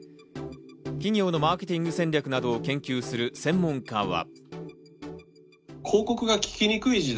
企業のマーケティング戦略などを研究する専門家は。